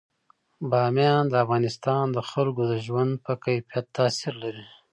بامیان د افغانستان د خلکو د ژوند په کیفیت تاثیر لري.